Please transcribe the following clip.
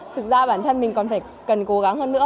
thực ra bản thân mình còn cần cố gắng hơn nữa